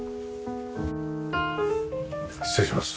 失礼します。